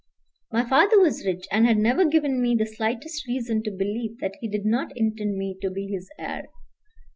My father was rich, and had never given me the slightest reason to believe that he did not intend me to be his heir.